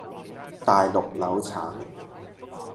大陸柳橙